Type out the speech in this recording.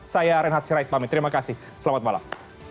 saya reinhard sirait pamit terima kasih selamat malam